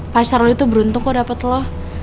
pacar lo itu beruntung kok dapet lo